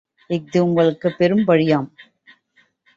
இஃது உங்கட்குப் பெரும்பழியாம்.